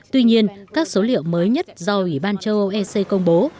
tuy nhiên các số liệu mới nhất do ủy ban châu âu ec công bố